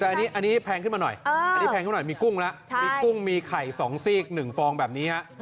อันนี้แพงขึ้นมาหน่อยมีกุ้งแล้วมีกุ้งมีไข่๒สีก๑ฟองแบบนี้